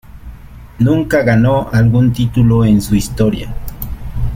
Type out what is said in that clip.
Nunca ganó algún título en su historia.